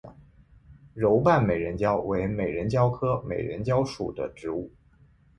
柔瓣美人蕉为美人蕉科美人蕉属的植物。